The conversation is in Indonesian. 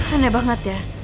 aneh banget ya